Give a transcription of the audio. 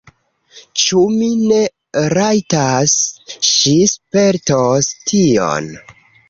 Ĉu mi ne rajtas? Ŝi spertos tion!